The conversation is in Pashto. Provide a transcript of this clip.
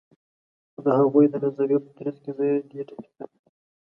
خو د هغوي د نظریو په ترڅ کی زه دې ټکي ته